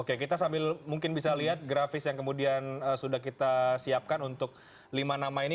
oke kita sambil mungkin bisa lihat grafis yang kemudian sudah kita siapkan untuk lima nama ini